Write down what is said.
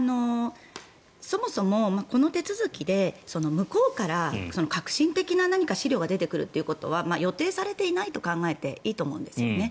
そもそもこの手続きで向こうから核心的な資料が出てくるということは予定されていないと考えていいと思うんです。